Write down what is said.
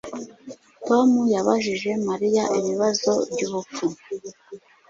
Tom yabajije Mariya ibibazo byubupfu